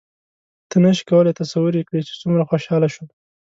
ته نه شې کولای تصور یې کړې چې څومره خوشحاله شوم.